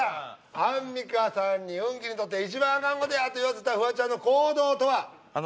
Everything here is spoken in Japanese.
アンミカさんに「運気にとって一番アカンことや！」と言わせたフワちゃんの行動とは？